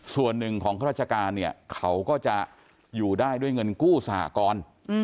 ส่วนหนึ่งของข้าราชการเนี่ยเขาก็จะอยู่ได้ด้วยเงินกู้สหกร